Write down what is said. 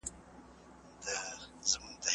هغه څوک چي مېوې وچوي قوي وي؟!